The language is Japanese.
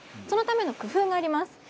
そのための工夫があります。